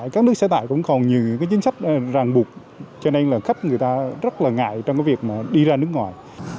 các nước xe tải cũng còn nhiều những chính sách ràng buộc cho nên là khách người ta rất là ngại trong cái việc mà đi ra nước ngoài